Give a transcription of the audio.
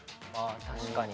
確かに。